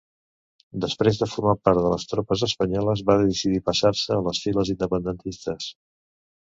Després de formar part de les tropes espanyoles, va decidir passar-se a les files independentistes.